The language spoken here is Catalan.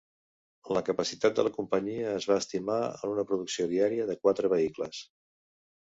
La capacitat de la companyia es va estimar en una producció diària de quatre vehicles.